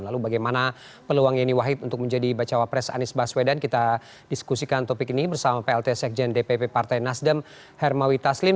lalu bagaimana peluang yeni wahid untuk menjadi bacawa pres anies baswedan kita diskusikan topik ini bersama plt sekjen dpp partai nasdem hermawi taslim